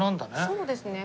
そうですね。